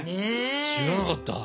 知らなかった。